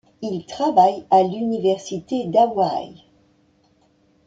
Il travaille à l'Université d'Hawaï.